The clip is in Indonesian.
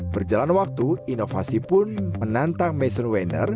berjalan waktu inovasi pun menantang maison wenner